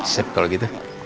sip kalau gitu